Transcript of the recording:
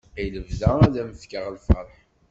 I lebda ad am fkeɣ lferḥ.